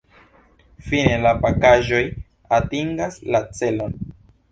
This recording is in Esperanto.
Fine la pakaĵoj atingas la celon.